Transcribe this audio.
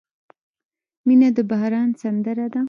• مینه د باران سندره ده.